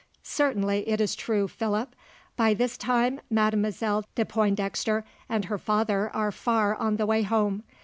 "Certainly, it is true, Philip. By this time Mademoiselle de Pointdexter and her father are far on the way home.